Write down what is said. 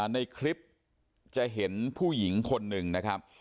ในคลิปจะเห็นผู้หญิงคนหนึ่งนะครับ